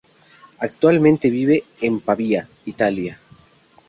Actualmente vive en Pavía, Italia